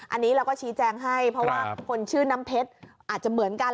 อันนี้เราก็ชี้แจงให้เพราะว่าคนชื่อน้ำเพชรอาจจะเหมือนกัน